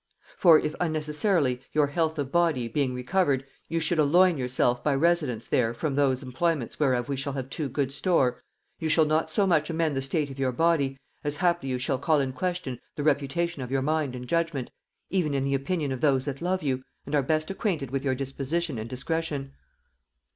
For if unnecessarily, your health of body being recovered, you should elloign yourself by residence there from those employments whereof we shall have too good store, you shall not so much amend the state of your body, as haply you shall call in question the reputation of your mind and judgement, even in the opinion of those that love you, and are best acquainted with your disposition and discretion.